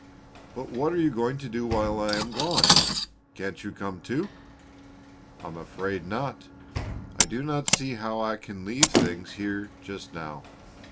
"But what are you going to do while I am gone? Can't you come too?" "I'm afraid not. I do not see how I can leave things here just now.